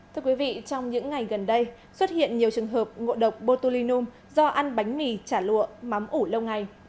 thưa quý vị trong những ngày gần đây xuất hiện nhiều trường hợp ngộ độc botulinum do ăn bánh mì trả lụa mắm ủ lâu ngày